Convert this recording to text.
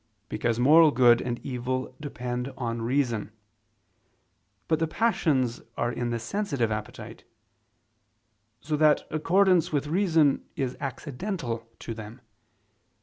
Because moral good and evil depend on reason. But the passions are in the sensitive appetite; so that accordance with reason is accidental to them.